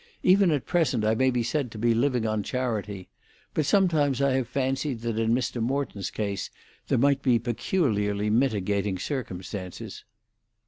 Even at present I may be said to be living on charity. But sometimes I have fancied that in Mr. Morton's case there might be peculiarly mitigating circumstances."